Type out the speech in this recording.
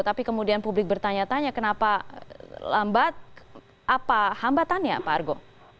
tapi kemudian publik bertanya tanya kenapa lambat apa hambatannya pak argo